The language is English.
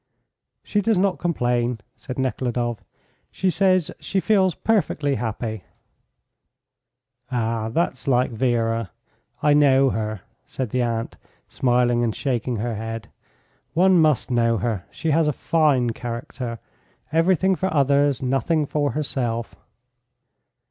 "She does not complain," said Nekhludoff. "She says she feels perfectly happy."' "Ah, that's like Vera. I know her," said the aunt, smiling and shaking her head. "One must know her. She has a fine character. Everything for others; nothing for herself."